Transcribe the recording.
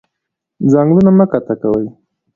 ځنګلونه مه قطع کوئ